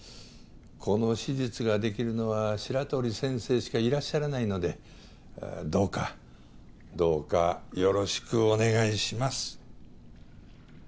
この手術ができるのは白鳥先生しかいらっしゃらないのでどうかどうかよろしくお願いします。